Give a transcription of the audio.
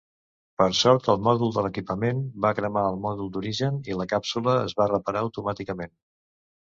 Per sort, el mòdul de l'equipament va cremar el mòdul d'origen i la càpsula es va reparar automàticament.